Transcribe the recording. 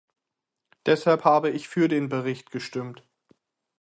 Deshalb habe ich für den Bericht gestimmt.